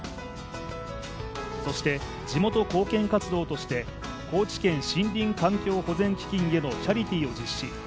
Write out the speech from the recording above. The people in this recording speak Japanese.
そして地元貢献活動として高知県森林環境保全基金へのチャリティーを実施。